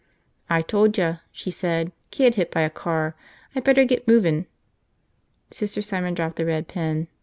"I toldya," she said. "Kid hit by a car. I better get movin'." Sister Simon dropped the red pen.